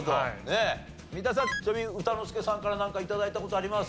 三田さんちなみに歌之助さんからなんか頂いた事あります？